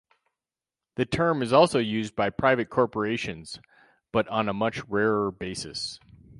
The term is also used by private corporations but on a much rarer basis.